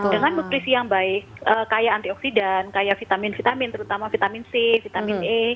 dengan nutrisi yang baik kayak antioksidan kayak vitamin vitamin terutama vitamin c vitamin e